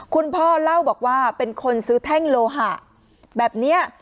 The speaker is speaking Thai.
คุณพ่อเล่าบอกว่าเป็นคนซื้อแท่งโลหะแบบนี้